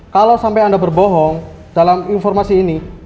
kalau sampai anda berbohong dalam informasi ini